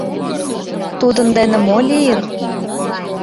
— Тудын дене мо лийын?